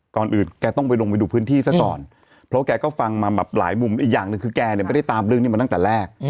ก่อนอื่นแกต้องไปลงไปดูพื้นที่ซะก่อนเพราะแกก็ฟังมาแบบหลายมุมอีกอย่างหนึ่งคือแกเนี่ยไม่ได้ตามเรื่องนี้มาตั้งแต่แรก